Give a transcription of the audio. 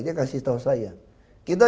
dia kasih tahu saya kita